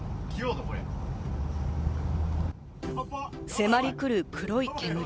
迫りくる黒い煙。